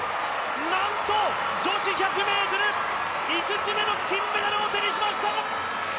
なんと、女子１００ｍ５つ目の金メダルを手にしました！